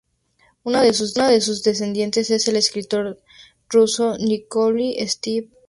Uno de sus descendientes es el escritor ruso Nikolay Saveliev–Rostislavic.